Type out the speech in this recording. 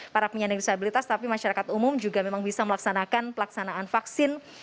para penyandang disabilitas tapi masyarakat umum juga memang bisa melaksanakan pelaksanaan vaksin